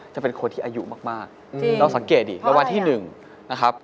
จะเป็นคนที่อายุมากเราสังเกตดิรางวัลที่๑นะครับ